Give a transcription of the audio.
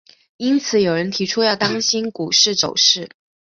因此有人提出要当心股市走势。